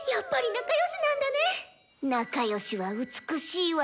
仲良しは美しいわね。